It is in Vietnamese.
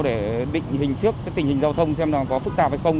để định hình trước tình hình giao thông xem có phức tạp hay không